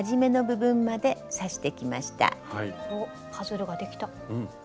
おっパズルができた。